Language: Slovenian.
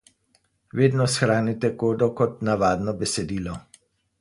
Vedno shranite kodo kot navadno besedilo.